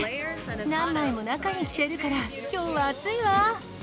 何枚も中に着てるから、きょうは暑いわ。